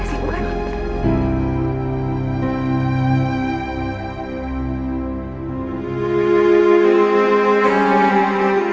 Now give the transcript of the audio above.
suka ya pak